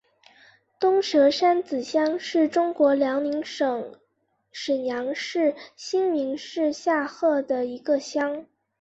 东蛇山子乡是中国辽宁省沈阳市新民市下辖的一个乡。